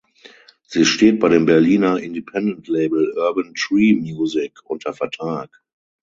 Sie steht bei dem Berliner Independent Label Urban Tree Music unter Vertrag.